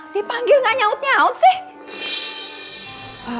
dia panggil gak nyaut nyaut sih